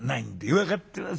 「分かってます。